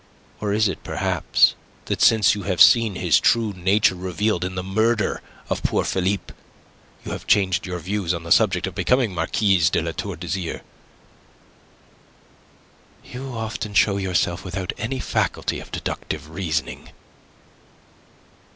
Or is it, perhaps, that since you have seen his true nature revealed in the murder of poor Philippe, you have changed your views on the subject of becoming Marquise de La Tour d'Azyr?" "You often show yourself without any faculty of deductive reasoning."